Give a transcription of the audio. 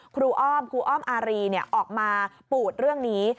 อ้อมครูอ้อมอารีออกมาปูดเรื่องนี้